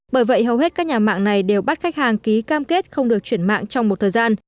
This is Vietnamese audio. bởi vậy hầu hết các nhà mạng này đều bắt khách hàng ký cam kết không được chuyển mạng trong một thời gian